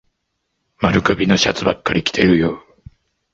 丸首のシャツばっかり着てるよ。